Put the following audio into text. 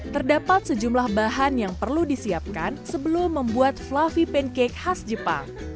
terdapat sejumlah bahan yang perlu disiapkan sebelum membuat fluffy pancake khas jepang